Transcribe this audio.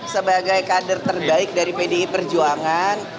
sebagai kader terbaik dari pdi perjuangan